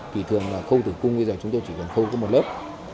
thì thường là khâu tử cung bây giờ chúng tôi chỉ cần khâu có một lớp